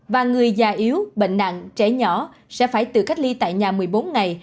và người già yếu bệnh nặng trẻ nhỏ sẽ phải tự cách ly tại nhà một mươi bốn ngày